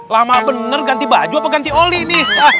lama bener ganti baju apa ganti oli nih